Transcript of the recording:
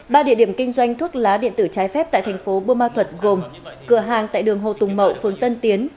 ba địa điểm kinh doanh thuốc lá điện tử trái phép tại tp bơ ma thuật gồm cửa hàng tại đường hồ tùng mậu phương tân tiến